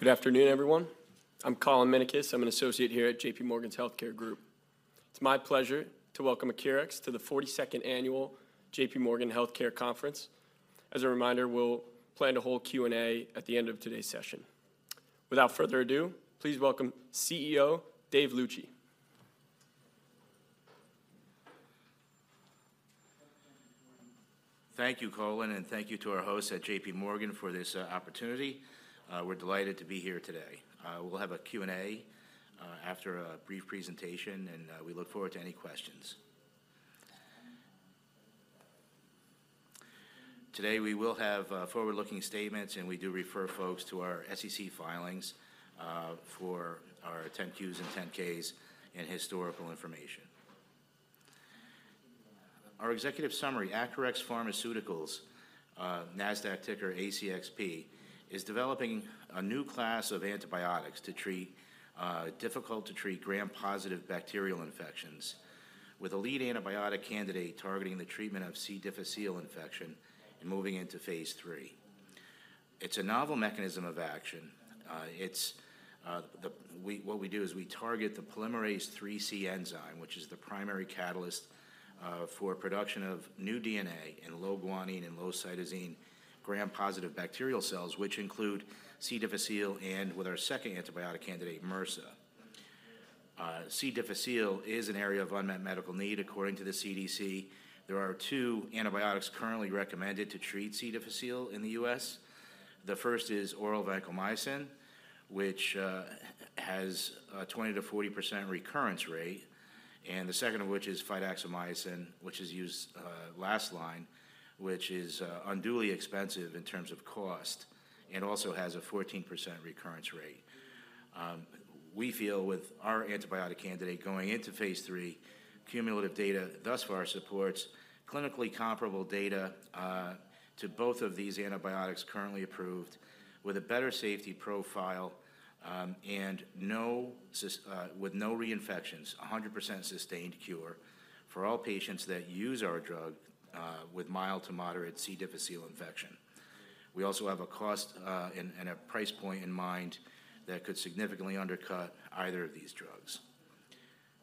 Good afternoon, everyone. I'm Colin Minogue. I'm an associate here at J.P. Morgan's Healthcare Group. It's my pleasure to welcome Acurx to the 42nd annual J.P. Morgan Healthcare Conference. As a reminder, we'll plan to hold Q&A at the end of today's session. Without further ado, please welcome CEO, David Luci. Thank you, Colin, and thank you to our hosts at J.P. Morgan for this opportunity. We're delighted to be here today. We'll have a Q&A after a brief presentation, and we look forward to any questions. Today, we will have forward-looking statements, and we do refer folks to our SEC filings for our 10-Q's and 10-K's in historical information. Our executive summary, Acurx Pharmaceuticals, Nasdaq ticker ACXP, is developing a new class of antibiotics to treat difficult-to-treat Gram-positive bacterial infections, with a lead antibiotic candidate targeting the treatment of C. difficile infection and moving into Phase 3. It's a novel mechanism of action. It's what we do is we target the polymerase IIIC enzyme, which is the primary catalyst for production of new DNA in low guanine and low cytosine Gram-positive bacterial cells, which include C. difficile and with our second antibiotic candidate, MRSA. C. difficile is an area of unmet medical need according to the CDC. There are two antibiotics currently recommended to treat C. difficile in the U.S. The first is oral vancomycin, which has a 20%-40% recurrence rate, and the second of which is fidaxomicin, which is used last line, which is unduly expensive in terms of cost and also has a 14% recurrence rate. We feel with our antibiotic candidate going into Phase 3, cumulative data thus far supports clinically comparable data to both of these antibiotics currently approved, with a better safety profile, and with no reinfections, 100% sustained cure for all patients that use our drug with mild to moderate C. difficile infection. We also have a cost and a price point in mind that could significantly undercut either of these drugs.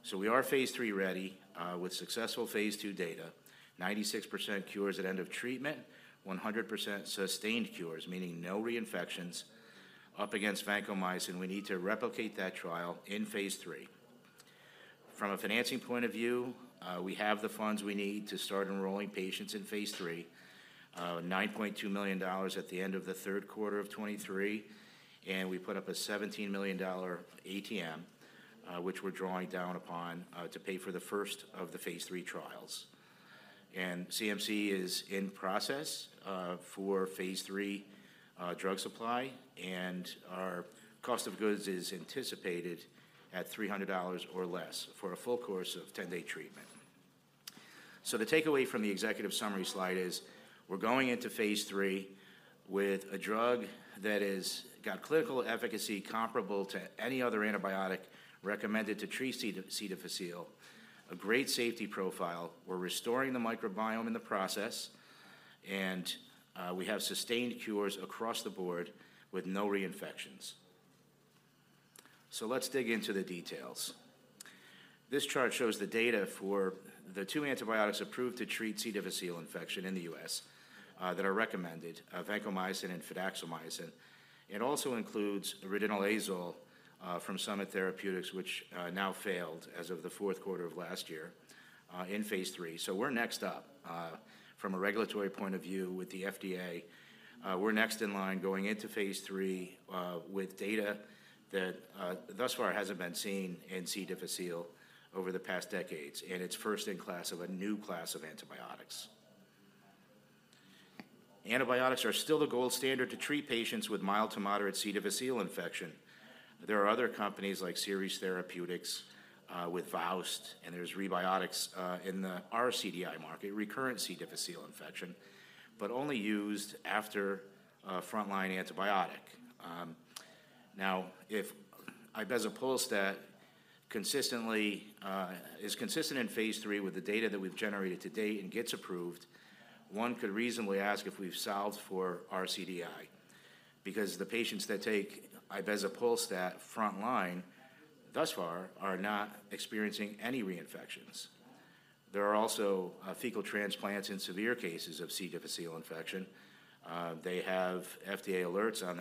So we are Phase 3 ready with successful Phase 2 data, 96% cures at end of treatment, 100% sustained cures, meaning no reinfections. Up against vancomycin, we need to replicate that trial in Phase 3. From a financing point of view, we have the funds we need to start enrolling patients in Phase 3, $9.2 million at the end of the third quarter of 2023, and we put up a $17 million ATM, which we're drawing down upon, to pay for the first of the Phase 3 trials. CMC is in process, for Phase 3, drug supply, and our cost of goods is anticipated at $300 or less for a full course of 10-day treatment. So the takeaway from the executive summary slide is we're going into Phase 3 with a drug that is got clinical efficacy comparable to any other antibiotic recommended to treat C. difficile, a great safety profile. We're restoring the microbiome in the process, and we have sustained cures across the board with no reinfections. So let's dig into the details. This chart shows the data for the two antibiotics approved to treat C. difficile infection in the U.S., that are recommended, vancomycin and fidaxomicin. It also includes ridinilazole, from Summit Therapeutics, which, now failed as of the fourth quarter of last year, in Phase 3. So we're next up, from a regulatory point of view with the FDA. We're next in line going into Phase 3, with data that, thus far hasn't been seen in C. difficile over the past decades, and it's first in class of a new class of antibiotics. Antibiotics are still the gold standard to treat patients with mild to moderate C. difficile infection. There are other companies like Seres Therapeutics, with Vowst, and there's Rebiotix, in the RCDI market, recurrent C. difficile infection. But only used after a frontline antibiotic. Now, if ibezapolstat consistently is consistent in Phase 3 with the data that we've generated to date and gets approved, one could reasonably ask if we've solved for RCDI, because the patients that take ibezapolstat frontline thus far are not experiencing any reinfections. There are also fecal transplants in severe cases of C. difficile infection. They have FDA alerts on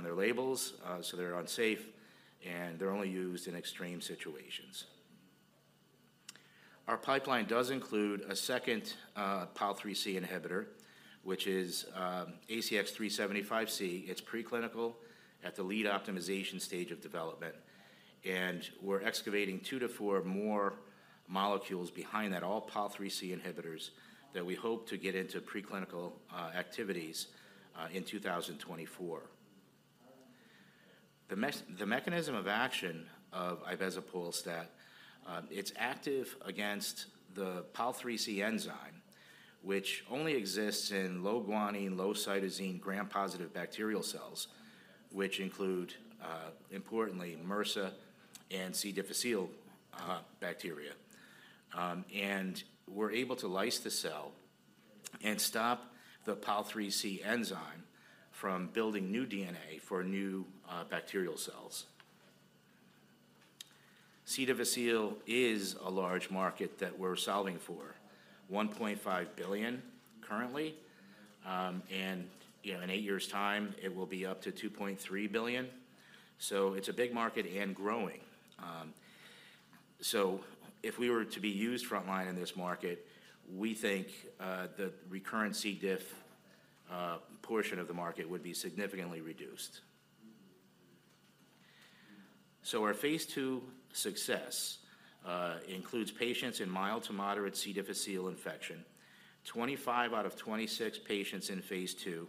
their labels, so they're unsafe, and they're only used in extreme situations. Our pipeline does include a second Pol IIIC inhibitor, which is ACX-375C. It's preclinical at the lead optimization stage of development, and we're excavating 2-4 more molecules behind that, all Pol IIIC inhibitors, that we hope to get into preclinical activities in 2024. The mechanism of action of ibezapolstat, it's active against the Pol IIIC enzyme, which only exists in low guanine, low cytosine, Gram-positive bacterial cells, which include, importantly, MRSA and C. difficile bacteria. And we're able to lyse the cell and stop the Pol IIIC enzyme from building new DNA for new bacterial cells. C. difficile is a large market that we're solving for, $1.5 billion currently, and, you know, in eight years' time, it will be up to $2.3 billion. So it's a big market and growing. So if we were to be used frontline in this market, we think the recurrent C. diff portion of the market would be significantly reduced. So our Phase 2 success includes patients in mild to moderate C. difficile infection. 25 out of 26 patients in Phase 2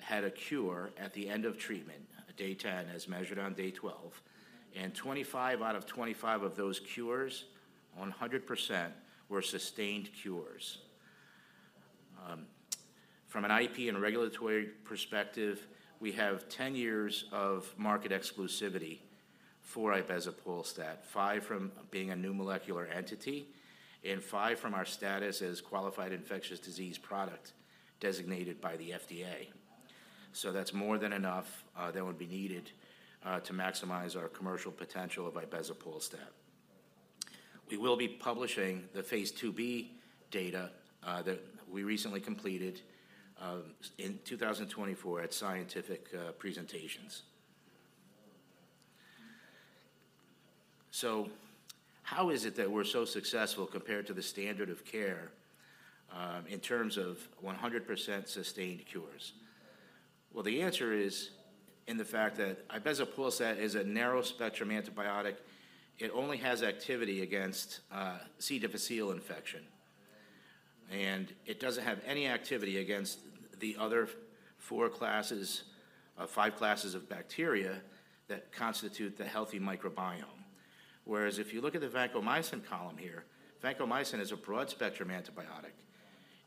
had a cure at the end of treatment, day 10, as measured on day 12, and 25 out of 25 of those cures, 100%, were sustained cures. From an IP and regulatory perspective, we have 10 years of market exclusivity for ibezapolstat, five from being a new molecular entity and five from our status as Qualified Infectious Disease Product designated by the FDA. So that's more than enough, that would be needed, to maximize our commercial potential of ibezapolstat. We will be publishing the Phase 2b data, that we recently completed, in 2024 at scientific, presentations. So how is it that we're so successful compared to the standard of care, in terms of 100% sustained cures? Well, the answer is in the fact that ibezapolstat is a narrow-spectrum antibiotic. It only has activity against, C. difficile infection, and it doesn't have any activity against the other four classes, five classes of bacteria that constitute the healthy microbiome. Whereas if you look at the vancomycin column here, vancomycin is a broad-spectrum antibiotic.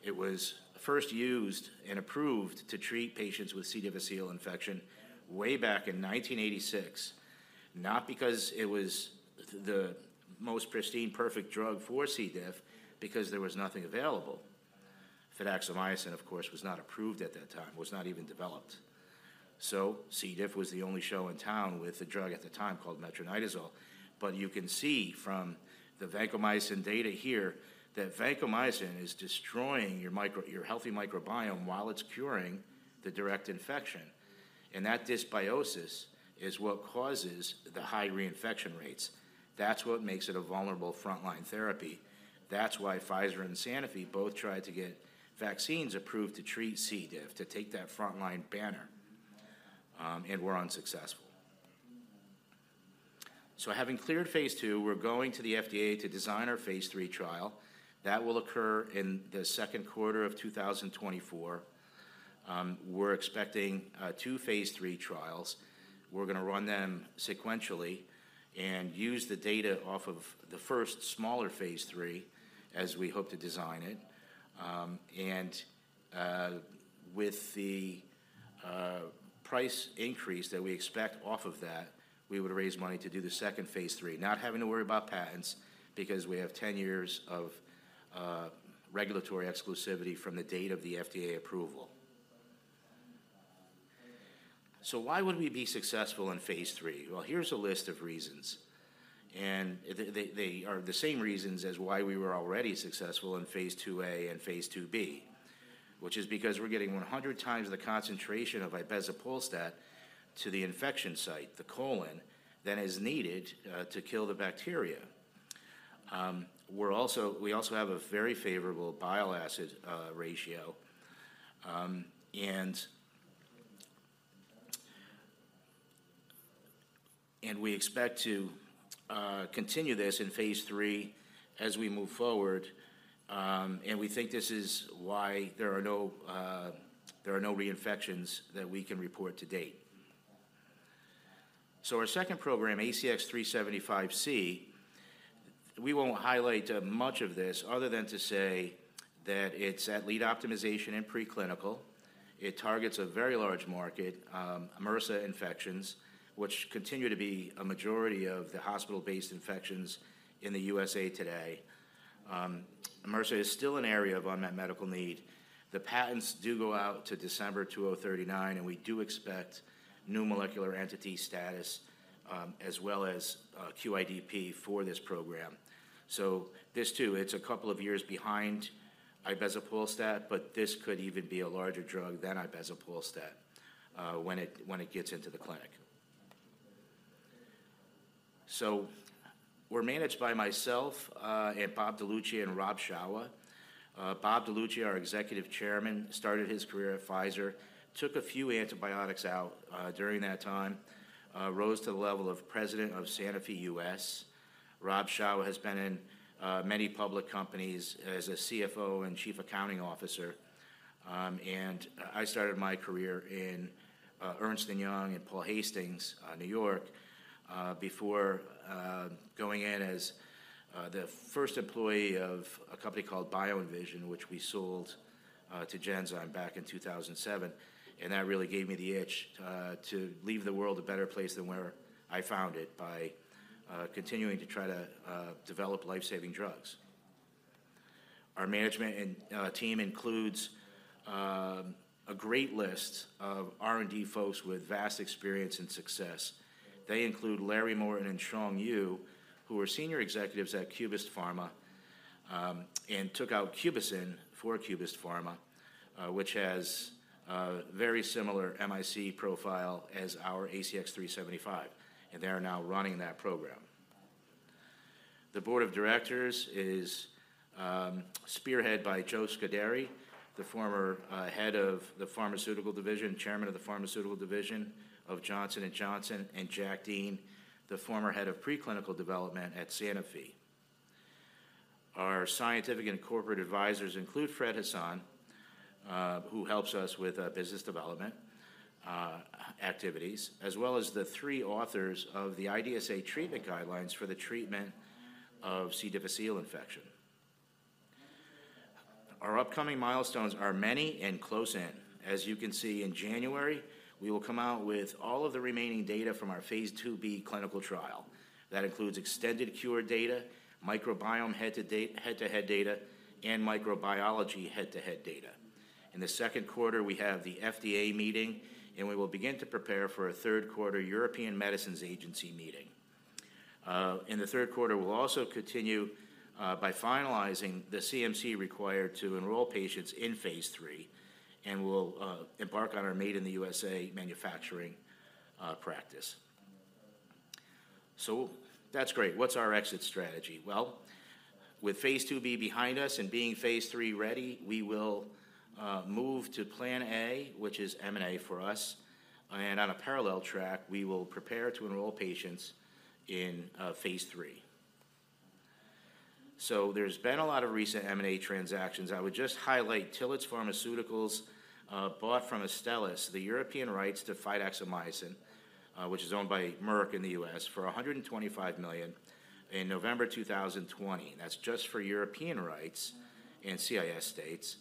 It was first used and approved to treat patients with C. difficile infection way back in 1986, not because it was the most pristine, perfect drug for C. diff, because there was nothing available. Fidaxomicin, of course, was not approved at that time, was not even developed. So C. diff was the only show in town with a drug at the time called metronidazole. You can see from the vancomycin data here that vancomycin is destroying your healthy microbiome while it's curing the direct infection, and that dysbiosis is what causes the high reinfection rates. That's what makes it a vulnerable frontline therapy. That's why Pfizer and Sanofi both tried to get vaccines approved to treat C. diff, to take that frontline banner, and were unsuccessful. Having cleared Phase 2, we're going to the FDA to design our Phase 3 trial. That will occur in the second quarter of 2024. We're expecting two Phase 3 trials. We're gonna run them sequentially and use the data off of the first smaller Phase 3 as we hope to design it. And with the price increase that we expect off of that, we would raise money to do the second Phase 3, not having to worry about patents, because we have 10 years of regulatory exclusivity from the date of the FDA approval. So why would we be successful in Phase 3? Well, here's a list of reasons, and they are the same reasons as why we were already successful in Phase 2a and Phase 2b, which is because we're getting 100 times the concentration of ibezapolstat to the infection site, the colon, than is needed to kill the bacteria. We also have a very favorable bile acid ratio, and we expect to continue this in Phase 3 as we move forward, and we think this is why there are no reinfections that we can report to date. So our second program, ACX-375C, we won't highlight much of this other than to say that it's at lead optimization and preclinical. It targets a very large market, MRSA infections, which continue to be a majority of the hospital-based infections in the USA today. MRSA is still an area of unmet medical need. The patents do go out to December 2039, and we do expect new molecular entity status, as well as QIDP for this program. So this, too, it's a couple of years behind ibezapolstat, but this could even be a larger drug than ibezapolstat, when it, when it gets into the clinic. So we're managed by myself, and Bob DeLuccia and Rob Shawah. Bob DeLuccia, our Executive Chairman, started his career at Pfizer, took a few antibiotics out, during that time, rose to the level of President of Sanofi U.S. Rob Shawah has been in, many public companies as a CFO and Chief Accounting Officer. I started my career in Ernst & Young and Paul Hastings, New York, before going in as the first employee of a company called Bioenvision, which we sold to Genzyme back in 2007, and that really gave me the itch to leave the world a better place than where I found it by continuing to try to develop life-saving drugs. Our management and team includes a great list of R&D folks with vast experience and success. They include Larry Morton and Xiong Yu, who were senior executives at Cubist Pharmaceuticals, and took out Cubicin for Cubist Pharmaceuticals, which has a very similar MIC profile as our ACX-375C, and they are now running that program. The board of directors is spearheaded by Joe Scuderi, the former head of the pharmaceutical division, chairman of the pharmaceutical division of Johnson & Johnson, and Jack Dean, the former head of preclinical development at Sanofi. Our scientific and corporate advisors include Fred Hassan, who helps us with business development activities, as well as the three authors of the IDSA treatment guidelines for the treatment of C. difficile infection. Our upcoming milestones are many and close in. As you can see, in January, we will come out with all of the remaining data from our Phase 2b clinical trial. That includes extended cure data, microbiome head-to-head data, and microbiology head-to-head data. In the second quarter, we have the FDA meeting, and we will begin to prepare for a third quarter European Medicines Agency meeting. In the third quarter, we'll also continue by finalizing the CMC required to enroll patients in Phase 3, and we'll embark on our Made in the USA manufacturing practice. So that's great. What's our exit strategy? Well, with Phase 2b behind us and being Phase 3-ready, we will move to plan A, which is M&A for us, and on a parallel track, we will prepare to enroll patients in Phase 3. So there's been a lot of recent M&A transactions. I would just highlight Tillotts Pharmaceutical bought from Astellas, the European rights to fidaxomicin, which is owned by Merck in the U.S., for $125 million in November 2020. That's just for European rights and CIS states.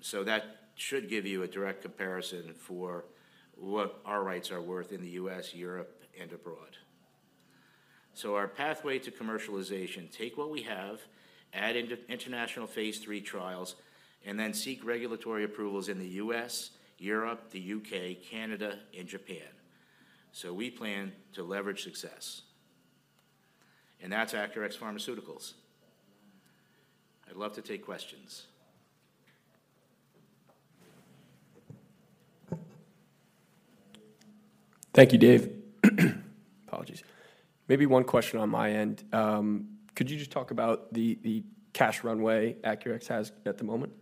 So that should give you a direct comparison for what our rights are worth in the U.S., Europe, and abroad. Our pathway to commercialization, take what we have, add international Phase 3 trials, and then seek regulatory approvals in the U.S., Europe, the U.K., Canada, and Japan. We plan to leverage success. That's Acurx Pharmaceuticals. I'd love to take questions. Thank you, Dave. Apologies. Maybe one question on my end. Could you just talk about the cash runway Acurx has at the moment?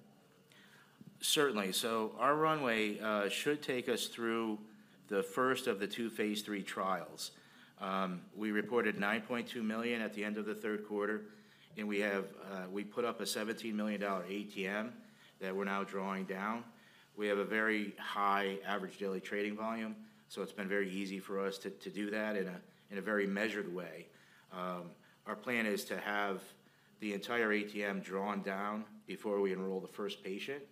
Certainly. Our runway should take us through the first of the two Phase 3 trials. We reported $9.2 million at the end of the third quarter, and we have put up a $17 million ATM that we're now drawing down. We have a very high average daily trading volume, so it's been very easy for us to do that in a very measured way. Our plan is to have the entire ATM drawn down before we enroll the first patient,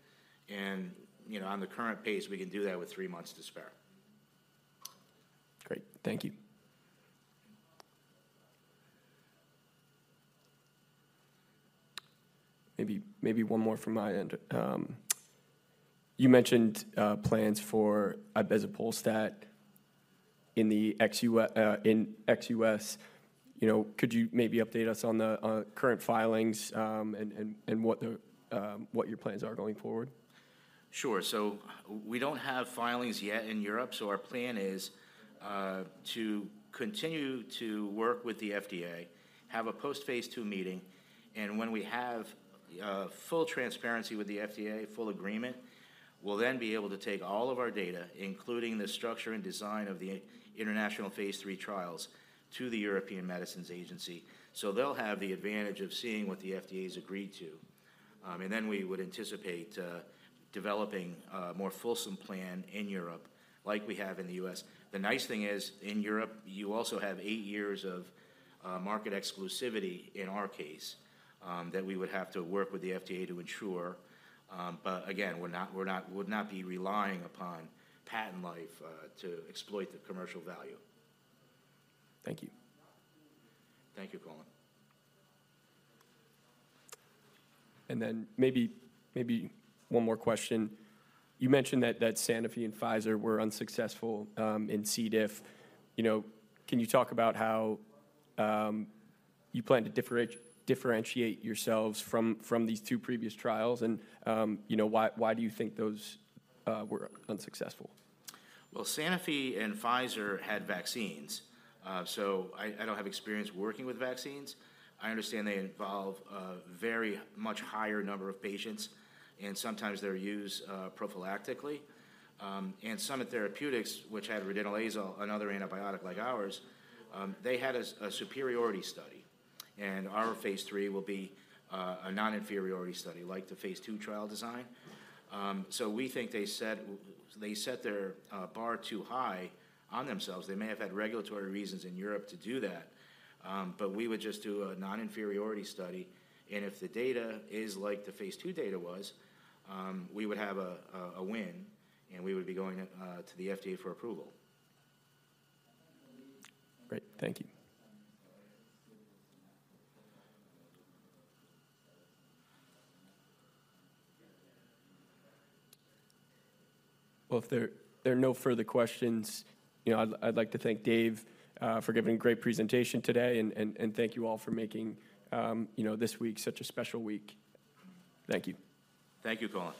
and, you know, on the current pace, we can do that with three months to spare. Great. Thank you. Maybe, maybe one more from my end. You mentioned plans for ibezapolstat in the ex-US. You know, could you maybe update us on current filings and what your plans are going forward? Sure. So we don't have filings yet in Europe, so our plan is to continue to work with the FDA, have a post-Phase 2 meeting, and when we have full transparency with the FDA, full agreement, we'll then be able to take all of our data, including the structure and design of the international Phase 3 trials, to the European Medicines Agency. So they'll have the advantage of seeing what the FDA's agreed to. And then we would anticipate developing a more fulsome plan in Europe like we have in the U.S. The nice thing is, in Europe, you also have eight years of market exclusivity, in our case, that we would have to work with the FDA to ensure. But again, we're not, we're not be relying upon patent life to exploit the commercial value. Thank you. Thank you, Colin. Then maybe, maybe one more question. You mentioned that Sanofi and Pfizer were unsuccessful in C. diff. You know, can you talk about how you plan to differentiate yourselves from these two previous trials, and you know, why do you think those were unsuccessful? Well, Sanofi and Pfizer had vaccines, so I don't have experience working with vaccines. I understand they involve a very much higher number of patients, and sometimes they're used prophylactically. And Summit Therapeutics, which had ridinilazole, another antibiotic like ours, they had a superiority study, and our Phase 3 will be a non-inferiority study, like the Phase 2 trial design. So we think they set their bar too high on themselves. They may have had regulatory reasons in Europe to do that, but we would just do a non-inferiority study, and if the data is like the Phase 2 data was, we would have a win, and we would be going to the FDA for approval. Great. Thank you. Well, if there are no further questions, you know, I'd like to thank Dave for giving a great presentation today, and thank you all for making, you know, this week such a special week. Thank you. Thank you, Colin.